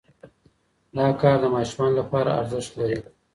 دا کار د ماشومانو لپاره ارزښت لري.